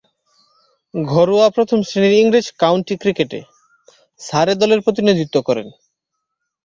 ঘরোয়া প্রথম-শ্রেণীর ইংরেজ কাউন্টি ক্রিকেটে সারে দলের প্রতিনিধিত্ব করেন।